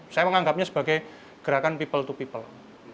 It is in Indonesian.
saya menganggapnya sebagai gerakan people to people